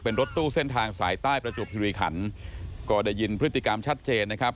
เป็นรถตู้เส้นทางสายใต้ประจวบคิริขันก็ได้ยินพฤติกรรมชัดเจนนะครับ